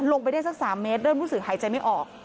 ลงไปได้สัก๓เมตรเริ่มรู้สึกหายใจไม่ออก